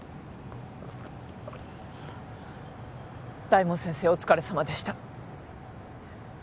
大門先生お疲れさまでした。